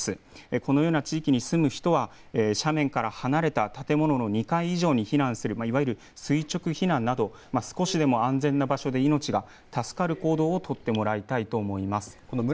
このような地域に住む人は斜面から離れた建物の２階以上に避難するいわゆる垂直避難など少しでも安全な場所で命が助かる行動を取ってもらいたいと思います。